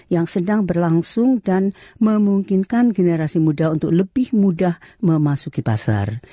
yang sedang berlangsung dan memungkinkan generasi muda untuk lebih mudah memasuki pasar